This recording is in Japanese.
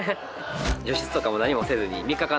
除湿とかも何もせずにハハハハ！